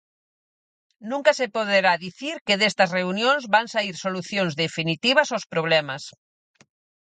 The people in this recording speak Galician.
Nunca se poderá dicir que destas reunións van saír solucións definitivas aos problemas.